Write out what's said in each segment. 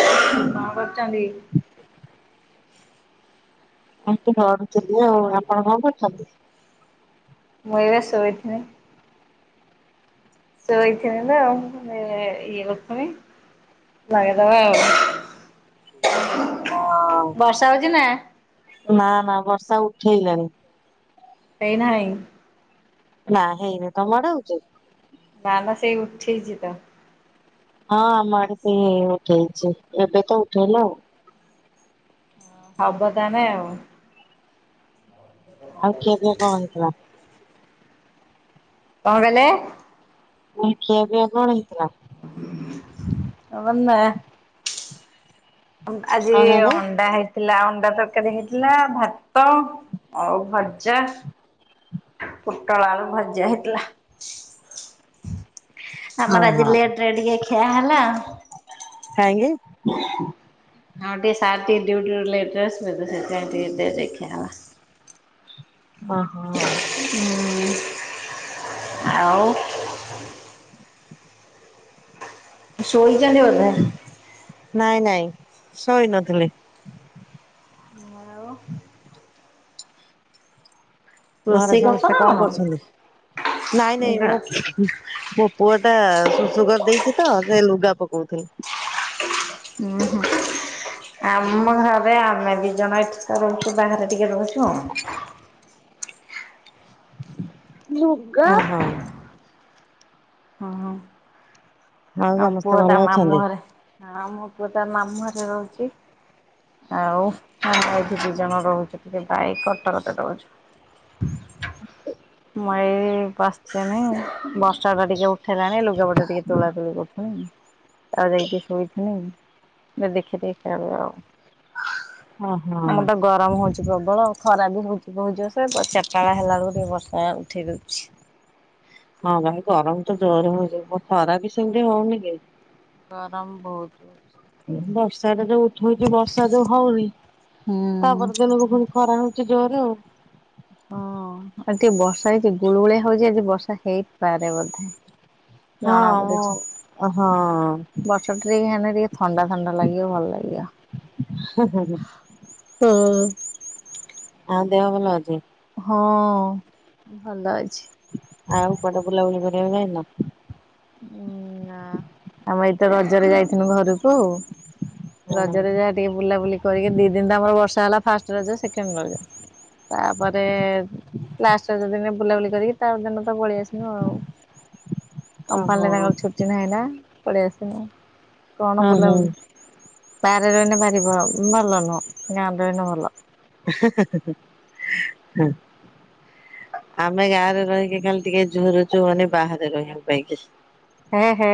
କଣ କରୁଚନ୍ତି? ଭାତ ବାଢୁଥିଲି ଆଉ ଆପଣ କଣ କରୁଛନ୍ତି? ମୁଁ ଏବେ ଶୋଇଥିନି। ଶୋଇଥିନି ତ ଆଉ [unintelligible] ଇଏ କରୁଥିମି। ଲଗେଇ ଦବା ଆଉ। ବର୍ଷା ହୋଉଚି ନା? ନା ନା ବର୍ଷା ଉଠେଇଲାଣି। ଏଇନା ହେଇନି। ନା ହେଇନି ତମ ଆଡେ ହୋଉଚି? ନା ନା ସେଇ ଉଠେଇଚି ତ। ହଁ ଆମ ଆଡେ ସେଇ ଉଠେଇଚି ଏବେ ତ ଉଠେଇଲା ଆଉ। ହବ ତାହେନେ ଆଉ। ଆଉ ଖିଆପିଆ କଣ ହେଇଥିଲା? କଣ କହିଲେ? ଆଉ ଖିଆପିଆ କଣ ହେଇଥିଲା? ଆମରନା [unintelligible] ଆଜି କଣ କହିଲେ? ଅଣ୍ଡା ହେଇଥିଲା। ଅଣ୍ଡା ତରକାରୀ ହେଇଥିଲା ଭାତ ଆଉ ଭଜା। ପୁଟଳ ଆଲୁ ଭଜା ହେଇଥିଲା। ହଁ ଆମର ଆଜି ହଁ ଲେଟ୍ ରେ ଟିକେ ଖିଆ ହେଲା। ହ ହଁ ଟିକେ ସାର ଟିକେ ଡ୍ୟୁଟିରୁ ଲେଟ୍ ରେ ଆସିଲେତ ସେଥିପାଇଁ ଟିକେ ଡେରିରେ ଖିଆ ହେଲା। ଓ ହୋ। ଆଉ ଶୋଇ ନାଇଁ ନାଇଁ ଶୋଇ ନଥିଲି। ଘରେ ସମସ୍ତେ କଣ କରୁଛନ୍ତି? ନାଇଁ ନାଇଁ ମୋ ମୋ ପୁଅଟା ଶୁଶୁ କରି ଦେଇେଛି ତ ସେ ଲୁଗା ପକ କଉଥିଲି। ଘ ଆମ ଘରେ ଆମେ ଦି ଜଣ ଏଠିକା ରହୁଛୁ ବାହାରେ ଟିକେ ରହୁଛୁ। ଲୁଗା ହ ହ ହଁ ହଁ। ଆଉ ସମସ୍ତେ ପୁଅ ଭଲ ତା ମାମୁଁ ଅଛନ୍ତି? ହରେ ହଁ ମୋ ପୁଅ ତା ମାମୁଁ ହରେ ରହୁଛି। ଆଉ ଭାଇଠି ଦି ଜଣ ରହୁଛୁ ଟିକେ ଭାଇ କଟକରେ ରହୁଛୁ। ମଇ ପସିଥିଣି ବର୍ଷାଟା ଟିକେ ଉଠେଇଲାଣି ଲୁଗାପଟା ଟିକେ ତୋଳା ତୋଳି କରୁଥିନି। ତା ଯାଇିକି ଟିକେ ଶୋଇଥିଲି ଦେଖି [unintelligible] ଆଉ। ଓହୋ ଆମର ତ ଗରମ ହଉଛି ପ୍ରବଳ ଖରା ବି ହଉଛି ବହୁ ଜୋରସେ ସେ ଚାରିଟାଳ ହେଲା ବଳକୁ ଟିକେ ବର୍ଷ ହ ଉଠାଇ ଦେଉଛି। ହଁ ଭାଇ ଗରମ ତ ଜୋର ହଉଛି ଖରା ବି ସେମତି ହଉନି କି? ଗରମ ବହୁତ ଅଉଛି। ବର୍ଷାଟା ଯୋଉ ଉଠଉଛି ବର୍ଷା ଯୋଉ ହଉନି ତାପର ଦିନକୁ ପୁଣି ଖରା ହଉ ଜୋରରେ। ଆ ଟିକେ ବର୍ଷା ହେଇଛି ଗୁଳୁଗୁଳି ହଉଛି ଆଜି ବର୍ଷା ହେଇପାରେ ବୋଧେ। ହଁ ମୋ ହଁ। ବର୍ଷାଟା ଟିକେ ହେନେ ଟିକେ ଥଣ୍ଡା ଥଣ୍ଡା ଲାଗିବ, ଭଲ ଲାଗିବ। ମୁଁ ହଁ ହଁ। ହଁ ଦେହ ଭଲ ଅଛି? ହଁ ଭଲ ଅଛି। ଆଉ କଟେ ବୁଲାବୁଲି କରିବାକୁ ଯାଇନ? ଉଁ ଆମେ ଏଇତ ରଜରେ ଯାଇଥିଲୁ ଘରକୁ ଆଉ। ରଜରେ ଯାହା ଟିକେ ବୁଲାବୁଲି କରିକି ଦି ଦିନ ତ ଆମର ବର୍ଷା ହେଲା ଫାଷ୍ଟ ରଜ ସେକେଣ୍ଡ ରଜ। ତାପରେ ଲାଷ୍ଟ ରଜଦିନ ବୁଲାବୁଲି କରିକି ତା ଦିନ ତ ପଳେଇଆସିନୁ ଆଉ। ହ ଓହୋ କମ୍ପାନୀରେ ତାଙ୍କର ଛୁଟି ନାହିଁନା ପଳେଇଆସିନୁ କଣ ହଁ ହଁ ବୁଲାବୁଲି। ବାଆରେ ରହିନେ ଭାରି ଭ ଭଲନୁହଁ ଗାଁରେ ରହିନେ ଭଲ। ହଁ। ଆମେ ଗାଁରେ ରହିକି ଖାଲି ଟିକେ ଝୁରୁଛୁ ମାନେ ବାହାରେ ରହିବା ପାଇଁ କି। ହେ ହେ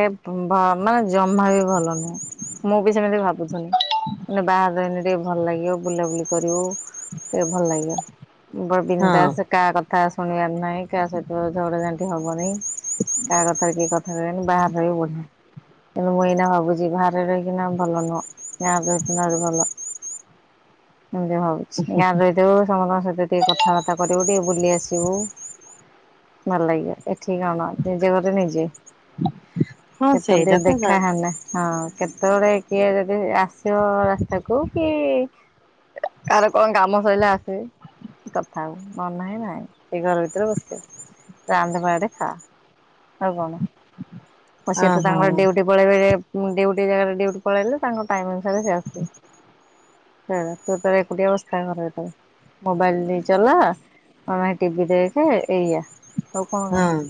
ମାନେ ଜମା ବି ଭଲ ନୁହେଁ ମୁଁ ବି ସେମିତି ଭାବୁଛି। ମାନେ ବାହାରେ ରହିନେ ଟିକେ ଭଲ ଲାଗିବ ବୁଲାବୁଲି କରିବ ଏ ଭଲ ଲାଗିବ। ବଡ ହଁ ବିନ୍ଦାସ କାହା କଥା ଶୁଣିବାର ନାହିଁ କାହା ସହିତ ଝଗଡାଝାଟି ହବନି। କାହା କଥାରେ କିଏ କଥା କହନି ବାହାର ରହିବ ବଢିଆ। କିନ୍ତୁ ମୁଁ ଏଇନା ଭାବୁଛି ବାହାରେ ରହିକିନା ଭଲ ନୁହଁ ଗାଁରେ ରହିଥିନେ ଆହୁରି ଭଲ। ଏମିତି ଭାବୁଛି ଗାଁରେ ରହିଥିବ ସମସ୍ତଙ୍କ ସହିତ ଟିକିେ କଥାବାର୍ତ୍ତା କରିବୁ, ଟିକେ ବୁଲି ଆସିବୁ, ଭଲ ଲାଗିବ, ଏଠିକି କଣ ନିଜେ ଘରେ ନିଜେ। ହଁ କେତେବେଳେ ଟିକେ ସେଇଟା ତ ହଁ ଦେଖା ହେନ୍ତା ହଁ କେ ସେତେବେଳେ କିଏ ଯଦି ଆସିବ ରାସ୍ତାକୁ କି କାର କଣ ଗାମ ସଇଲେ ଆସ କଥାହବ ନହନେ ନାହିଁ ସେ ଘର ଭିତରେ ବସି ରାନ୍ଧବାଡେ ଖା। ହଉ କଣ। ଓ ସ ତ ହଁ ତାଙ୍କର ଡ୍ୟୁଟି ପକେଇବେ। ଡିଉଟି ଜାଗାରେ ଡିଉଟି ପଳେଇଲେ ତାଙ୍କ ଟାଇମ ଅନୁସାରେ ସେ ଆସିବ। ସେ ତୁ ତ ଏକୁଟିଆ ବସିଥା ଘର ଭିତରେ। ମୋବାଇଲ ନେଇ ଚଲା ନହେଲେ ନାହିଁ ଟିଭିି ଦେଖେ ଏଇଆ। ଆଉ କଣ କାମ ହଁ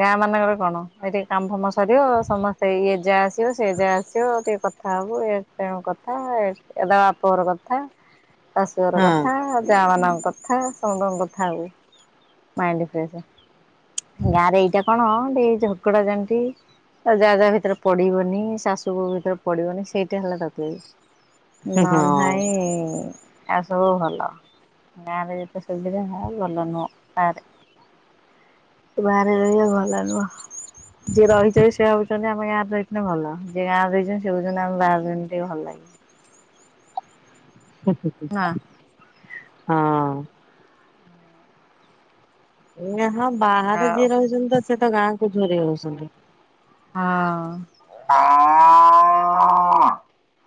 ଗାଁ ମାନଙ୍କର କଣ ଏ ଟିକେ କାମ ଫାମ ସରିବ ସମସ୍ତେ ଇଏ ଯାହା ଆସିବ ସେ ଯା ଆସିବ ଟିକେ କଥା ହବୁ ଏଣୁ କଥା ଏଦ ବାପଘର କଥା ଶାଶୁଘର ହଁ କଥା ଜା ମାନଙ୍କ କଥା ସମୁସ୍ତଙ୍କ କଥା ହଉ। ମାଇନଡ୍ ଫ୍ରେଶ ଗାଁରେ ଏଇଟା କଣ ଟି ଝଗଡାଝାଣ୍ଟି ଆଉ ଯାହା ଯାହା ଭିତରେ ପଡିବନି ଶାଶୁ କ ଭିତରେ ପଡିବନି ସେଇଟା ହେଲା ତାକୁ ହଁ ନହେଲେ ହଁ ନାଇ ଆଉ ସବୁ ଭଲ ଗାଁରେ ଯେତେ ସୁବିଧା ହ ଭଲ ନୁହଁ ଗାଁରେ ବାହାରେ ରହିବା ଭଲ ନୁହ। ଯିଏ ରହିଛନ୍ତି ସେ ଭାବୁଛନ୍ତି ଆମ ଗାଁରେ ରହିଥିଲେ ଭଲ ଯିଏ ଗାଁରେ ରହିଛନ୍ତି ସେ ଭାବୁଛନ୍ତି ଆମେ ବାହାରେ ରହିଲେ ଟିକେ ଭଲ ଲାଗେ। ହ ହଁ। ଏ ହଁ ବାହାରେ ଯିଏ ରହୁଛନ୍ତି ତ ସିଏତ ଗାଁକୁ ଝୁରି ହୋଉଛନ୍ତି। ହଁ।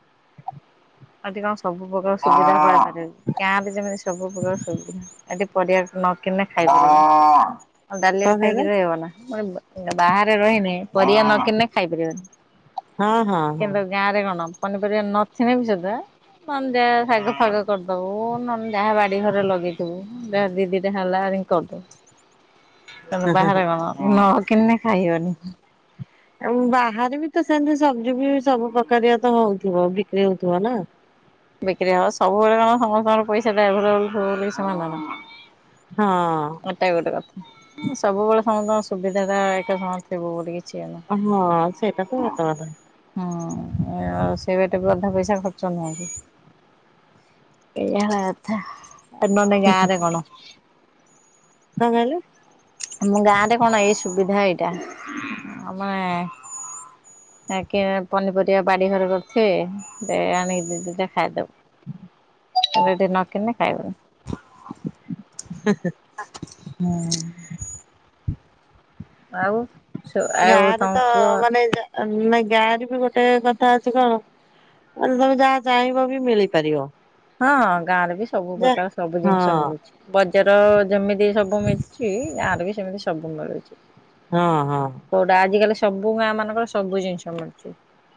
ଏଠି କଣ ସବୁ ପ୍ରକାର ସୁବିଧା [unintelligible] ଗାଁରେ ଯେମିତି ସବୁ ପ୍ରକାର ଶୁବିଧା ନ୍ କିଣିଲେ ଖାଇପାରିବନି ଆଉ କଣ ଡାଲିରେ କହିଲେ ଖାଇକି ରହିବ ନା ବାହାରେ ରହିନେ ପରିବା ନ କିଣିନେ ଖାଇପାରିବନି। ହଁ ହଁ ହଁ। କିନ୍ତୁ ଗାଁ ରେ କଣ ପନିପରିବା ନଥିଲେ ବି ସୁଧା ନହେ ଯାହା ଶାଗ ଫାଗ କରିଦବୁ ନହେଲେ ଯାହା ବାଡି ଘରେ ଲଗେଇଥିବୁ ଯାହା ଦିଦିଟା ହେଲା କରିଦୋବୁ ବାହାରେ କଣ ନ କିଣିନେ ଖାଇ ହବନି। ଆଉ ବାହାରେ ବି ତ ସେମିତି ସବଜି ବି ସବୁ ପ୍ରକାରିଆ ତ ହଉଥିବ ବିକ୍ରି ହଉଥିବ ନା କ୍ରି ହବ ସବୁବେଳେ କଣ ସମସ୍ତଙ୍କର ପଇସା ଟା ଅଭେଲେବୁଲ ଥିବ ବୋଲି କିଛି ମାନେ ନା। ହଁ। ଏଟା ବି ଗୋଟେ କଥା। ସବୁବେଳେ ସମସ୍ତଙ୍କ ସୁବିଧା ଟା ଏକା ସାଙ୍ଗରେ ଥିବ ବୋଲି କି ଛି ସେଇଟା ତ ସତ ହଁ। କଥା କଣ ଉ ସେ ବାଟେ ବି ଅଧା ପଇସା ଖର୍ଚ୍ଚ ନୁହଁ କି? ଏଇଆ ହେଲା କଥା ଆଉ ନହେନେ ଗାଁରେ କଣ କଣ କହିଲୁ? ଆମ ଗାଁ ରେ କଣ ଏଇ ସୁବିଧା ଏଇଟା ଆମେ କି ପନିପରିବା ବାଡି ଘର କରିଥିବେ ଆଣିକି ଦିଦିଟା ଖାଇଦବ। ଏଠି ନକିଣିଲେ ଖାଇବନି। ହିଁ, ହିଁ। ହଁ। ଆଉ। ଗାଁ ରେ ତ ମାନେ ନାଇ ଗାଁରେ ବି ଗୋଟେ କଥା ଅଛି କଣ? ନାଁ ତମେ ଯାହା ଚାହିଁବ ବି ମିଳିପାରିବ। ହଁ ଗାଁ ରେ ବି ସବୁ ଯା ପ୍ରକାର ସବୁ ହଁ ଜିନିଷ ମିଳୁଛି ବଜାର ଯେମିତି ସବୁ ମିଶୁଛି ଗାଁରେ ବି ସେମିତି ସବୁ ମିଳୁଛି। ହଁ ହଁ। ସବୁ ଗାଁ ମାନଙ୍କର ସବୁ ଜିନିଷ ମିଳୁଛି।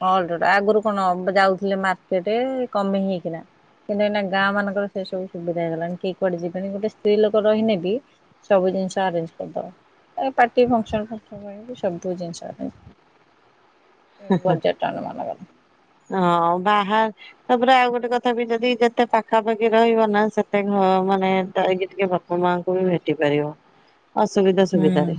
ହ ଆଗରୁ କଣ ଯାଉଥିଲେ ମାର୍କେଟରେ କମେଇ ହେଇକିନା କିନ୍ତୁ ଏଇନା ଗାଁ ମାନଙ୍କର ସେ ସବୁ ସୁବିଧା ହେଇଗଲାଣି କେହି କୁଆଡେ ଯିବେନି ଗୋଟ ସ୍ତ୍ରୀ ଲୋକ ରହିଁନେ ବି ସବୁ ଜିନି ସ ଆରେନଜ କରିଦେବ ପାର୍ଟି ଫକ୍ସନ ଖର୍ଚ୍ଚ ପାଇଁ ସବୁ ଜିନିଷ ହଁ ବାହାର ସ ପୁରା ଆଉ ଗୋଟେ କଥା ବି ଯଦି ଯେତେ ପାଖାପାଖି ରହିବ ନା ସେତେ ଘ ମାନେ ଯାଇକି ଟିକେ ବାପ ମାଆ ଙ୍କୁ ବି ଭେଟି ପାରିବ ଅସୁବିଧା ସୁବିଧାରେ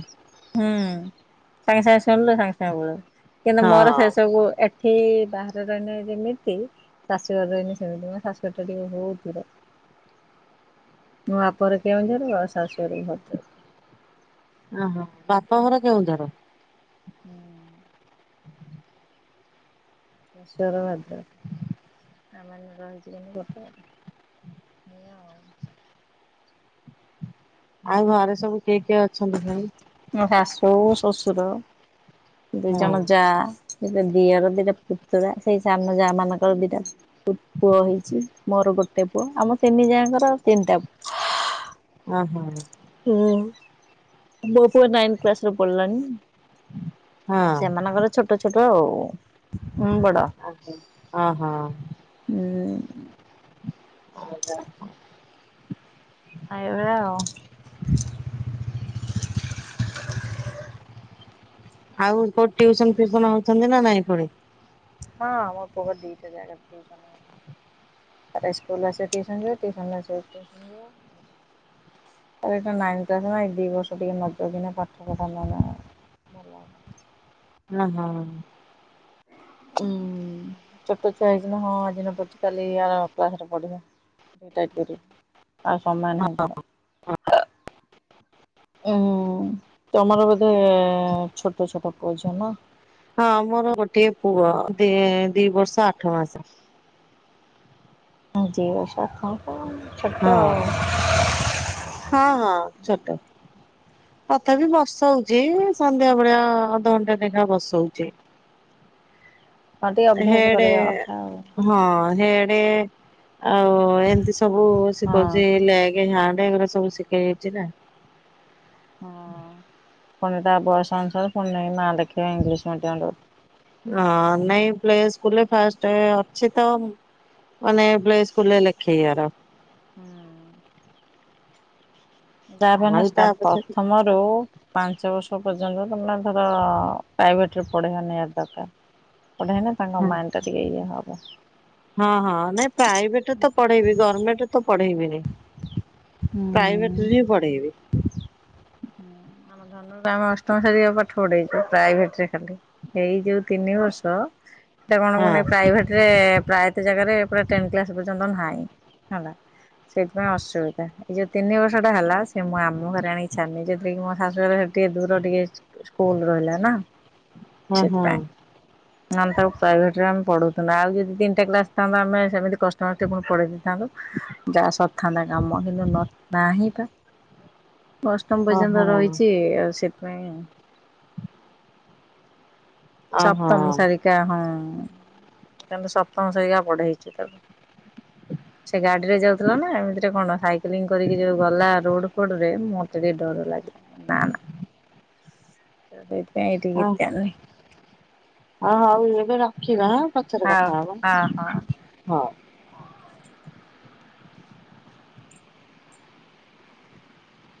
ସାଙ୍ଗେ ସାଙ୍ଗେ ଶୁଣିଲୁ ସାଙ୍ଗେ ସାଙ୍ଗେ ପଳେଇଲୁ କିନ୍ତୁ ମୋର ସେ ହଁ। ସବୁ ଏଠି ବାହାରେ ରହିଁନେ ଯେମିତି ଶାଶୁଘରେ ରହିଁନେ ସେମିତି। ମୋ ଶାଶୁଘର ଟା ଟିକେ ବହୁତ ଦୂର। ମୋ ବାପଘର କେଉଁଝର ଶାଶୁଘର ଭଦ୍ରକ ଓହୋ ବାପ ଘର କେଉଁଝର, ହୁଁ, [inaudible] ହସର ଭାତ [unintelligible] ଆମେମାନେ ରହିଛୁ ଆଉ ଘରେ ସବୁ କିଏ କିଏ ଅଛନ୍ତି ଭାଇ? ଶାଶୁ ଶଶୁର ଦି ହଁ ଜଣ ଯା, ଦିଟା ଦିଅର ଦିଟା ପୁତୁରା ସେଇ ସାନ ଯା ମାନଙ୍କର ଦିଟା ପୁ ପୁଅ ହେଇଛି ମୋର ଗୋଟେ ଅ ଆମ ତିନି ଯା ଙ୍କର ତିନିଟା ପୁଅ। ହଁ ହଁ, ହୁଁ ମୋ ପୁଅ ନାଇନ୍ କ୍ଲାସରେ ପଢିଲାନି, ଆଉ ହଁ ସେମାନଙ୍କର ଛୋଟ ଛୋଟ ଆଉ ହଁ, ହଁ, ହଁ, ଆଜା ଏଇଭଳିଆ ଆଉ। ଆଉ କୋଉଠି ଟିଉସନ ଫିଉସନ ହଉଛନ୍ତି ନା ନାଇଁ ପୁଣି? ହଁ ମୋ ପୁଅପା ଦିଇଟା ଜାଗାରେ ଟିଉସନ ହଉଛି। ତାର ତ ସ୍କୁଲରୁ ଆସିବ ଟିଉସନ୍ ଯିବ, ଟିଉସନରୁ ଆସିବ ସ୍କୁଲ୍ ଯିବ ତାର ଏଇଟା ନାଇନ୍ କ୍ଲାସ ନା ଏଇ ଦି ବର୍ଷ ଟିକେ ନ ଜଗିଲେ, ପାଠ କଥା ନୁହେଁ ଭଲ ହେଲା। ନାଇ ହୁଁ। ଉଁ। ଛୋଟ ଛୁଆ ହେଇଛିନି ହଁ ଆଜି ନ ପଢିଚି କାଲି ଆର କ୍ଲାସ ରେ ପଢ଼ିବ କାଇଁ ଟାଇଟ କରିବି। ଆଉ ସମୟ ନାହିଁ ତାର। ହଁ। ଉଁ ତମର ବୋଧେ ଛୋଟ ଛୋଟ ପୁଅ ଝିଅ ନା। ହଁ ମୋର ଗୋଟଏ ପୁଅ ଦି ଦି ବର୍ଷ ଆଠ ମାସ। ହୁଁ ଦି ବର୍ଷ ଛୁଆ ତ ଛୋଟ ହଁ ଆଉ। ହଁ ହଁ ଛୋଟ। ତଥାପି ବର୍ଷା ହଉଚି ସନ୍ଧ୍ୟା ବେଳେଆ ଅଧଘଣ୍ଟା ଲେଖା ବର୍ଷ ହଉଚି। ହେଡେ ହଁ ହେଡେ ଆଉ ଏମତି ସବୁ ସେ କହୁଚି ଲେଗ ହା ଏଗୁଡା ସବୁ ଶିଖେଇ ଯାଇଛି ନା। ହଁ ତମେ ତା ବୟସ ଆଣିଥିବ ପୁଣି ନା ଲେଖେଇବ ଇଂଲିଶ ମିଡିୟମ୍ ରେ ହଁ ନାଇଁ ପ୍ଲେ ସ୍କୁଲ ରେ ଫାଷ୍ଟ ଅଛି ତ। ଅନେ ପ୍ଲେ ସ୍କୁଲେ ଲେଖେ ଆର ହୁଁ। ଯାହା ପାଇଁ ଆଉ ତା ନ ପଛରେ ପ୍ରଥମରୁ ପାଞ୍ଚ ବର୍ଷ ପ ତମେ [unintelligible] ଧର ପ୍ରାଇଭେଟରେ ପଢେଇବା ନିଆତି ଦରକାର ପଢେ ନାଁ ତାଙ୍କ ମାଇଣ୍ଡଟା ଟିକେ ୟେ ହେବ। ହଁ ହଁ, ନାଇଁ ପ୍ରାଇଭେଟ ତ ପଢେଇବି, ଗଭର୍ଣ୍ଣମେଣ୍ଟ ତ ପଢେଇବିନି। ପ୍ରାଇଭେଟରେଁ ହିଁ ପଢେଇବି। ଆମ ଧନଟା ଆମେ ଅଷ୍ଟମ ସାରିବା ପାଠ ପଢେଇଛୁ, ପ୍ରାଇଭେଟ ରେ ଖାଲି, ଏଇ ଯୋଉ ତିନି ବର୍ଷ ସେଇଟା କଣ ହଁ ମାନେ ପ୍ରାଇଭେଟରେ ରେ ପ୍ରାୟତ ଜାଗାରେ ପୁରା ଟେନ୍ତ୍ କ୍ଲାସ୍ ପଯ୍ୟନ୍ତ ନାଁଇଁ ହେଲା। ସେଥିପାଇଁ ଅସୁବିଧା, ଏଇ ଯୋଉ ତିନି ବର୍ଷ ହେଲା, ସେ ମୁଁ ଆମ ଘରେ ଆଣି ଛାଡି ଦେଇଛନ୍ତି, ଯୋଉ ଥିରେ କି ମୋ ଶାଶୁ ଘରେ ସେଠି ଦୂର ଟିକେ ସ୍କୁଲ ରହିଲା ନା। ହୁଁ ହୁଁ। ନହେଲେ ତାକୁ ପ୍ରାଇଭେଟରେ ଆମେ ପଢଉଥିନୁ, ଆଉ ଯଦି ତିନଟା କ୍ଲାସ ଥାନ୍ତା, ଆମେ ସେମିତି କଷ୍ଟମଷ୍ଟେ ପଢ଼େଇ ଯାହା ସରଥାନ୍ତା କାମ କିନ୍ତୁ ନ ନାହିଁ ତ। ଅଷ୍ଟମ ପର୍ଯ୍ୟନ୍ତ ଓହୋ ରହିଛି ଆଉ ସେଥିପାଇଁ ସପ୍ତମ ଓହୋ ସାରିକା ହଁ ତାଙ୍କ ସପ୍ତମ ସାରିକା ବଢ ହେଇଚି ତାକୁ ସେ ଗାଡି ରେ ଯାଉଥିଲା ନା ଏମିତିରେ କଣ ସାଇକେଲିଂ କରିକି ଯୋଉ ଗଲା ରୋଡ୍ ଡରେ ମତେ ଟିକେ ଡର ଲାଗିଲା ନା ନା [unintelligible] ତ ଏଇଠି ଗୀତା ଆନି। ହଁ ହଉ ଏବେ ରଖିବା ଆଁ ପଛରେ କଥା ହବା ହଉ।